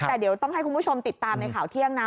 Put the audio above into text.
แต่เดี๋ยวต้องให้คุณผู้ชมติดตามในข่าวเที่ยงนะ